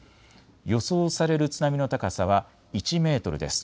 予想される津波の高さは１メートルです。